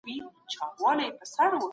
څنګه خلګ عادلانه معاش ترلاسه کوي؟